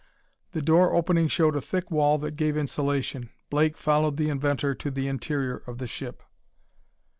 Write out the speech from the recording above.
The door opening showed a thick wall that gave insulation. Blake followed the inventor to the interior of the ship.